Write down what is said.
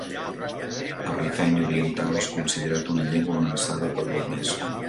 El rifeny oriental és considerat una llengua amenaçada per la Unesco.